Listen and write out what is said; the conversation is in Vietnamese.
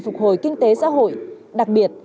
phục hồi kinh tế xã hội đặc biệt